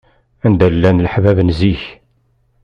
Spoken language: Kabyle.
Anda llan leḥbab n zik.